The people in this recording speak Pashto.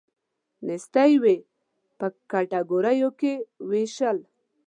نیستي وی په کټګوریو یې ویشل.